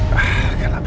kenapa gak diangkat sih